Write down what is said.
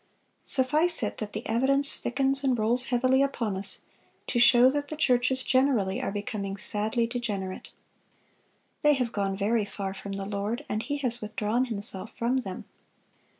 Suffice it that the evidence thickens and rolls heavily upon us, to show that the churches generally are becoming sadly degenerate. They have gone very far from the Lord, and He has withdrawn Himself from them."